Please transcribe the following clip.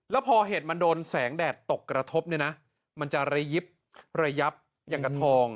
แล้วพอเห็ดมันโดนแสงแดดตกกระทบเนี่ยนะมันจะระยิบระยับอย่างกับทอง